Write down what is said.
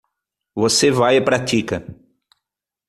Você vai e pratica.